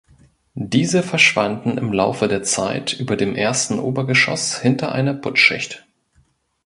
Diese verschwanden im Laufe der Zeit über dem ersten Obergeschoss hinter einer Putzschicht.